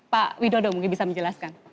pak widodo mungkin bisa menjelaskan